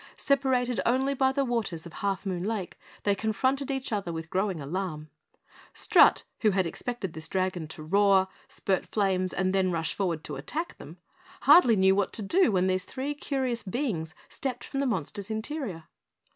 Separated only by the waters of Half Moon Lake, they confronted each other with growing alarm. Strut, who had expected this dragon to roar, spurt flames and then rush forward to attack them, hardly knew what to do when these three curious beings stepped from the monster's interior.